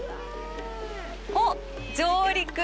おっ、上陸。